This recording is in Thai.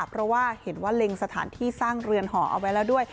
เพราะว่าเห็นว่าเล็งสถานที่สร้างเรือนห่อเอาไว้แล้วด้วย